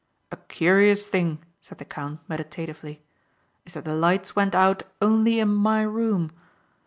"A curious thing," said the count meditatively, "is that the lights went out only in my room.